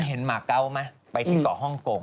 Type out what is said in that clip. คุณเห็นมะเก้าม่ะไปที่เกาะฮ่องกง